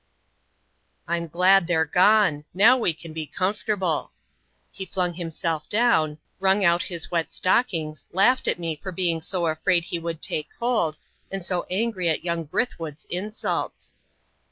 "I'm glad they're gone: now we can be comfortable." He flung himself down, wrung out his wet stockings, laughed at me for being so afraid he would take cold, and so angry at young Brithwood's insults.